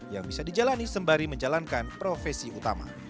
yang bisa dijalani sembari menjalankan profesi utama